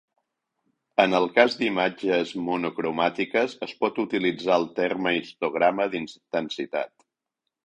En el cas d'imatges monocromàtiques, es pot utilitzar el terme histograma d'intensitat.